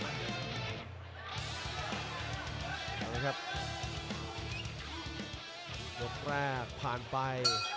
ยกแรกผ่านไป